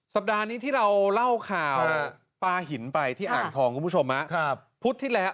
สัปดาห์นี้ที่เราเล่าข่าวปลาหินไปที่อ่างทองคุณผู้ชมพุธที่แล้ว